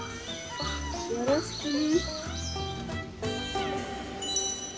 よろしくね。